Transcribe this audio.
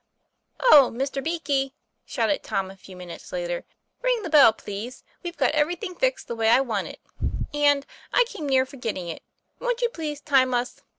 "/"\H, Mr. Beakey," shouted Tom a few moments \J later, " ring the bell, please we've got every thing fixed the way I want it. And I came near forgetting it wont you please time us?